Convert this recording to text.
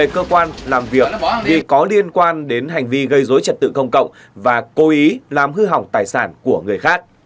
cơ quan làm việc vì có liên quan đến hành vi gây dối trật tự công cộng và cố ý làm hư hỏng tài sản của người khác